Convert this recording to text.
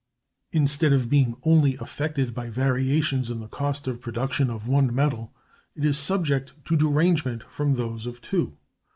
Instead of being only affected by variations in the cost of production of one metal, it is subject to derangement from those of two.